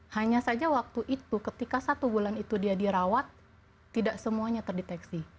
hanya saja waktu itu ketika satu bulan itu dia dirawat tidak semuanya terdeteksi